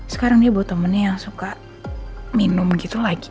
sekarang dia buat temennya yang suka minum gitu lagi